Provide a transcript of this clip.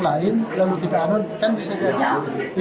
kan bisa jadi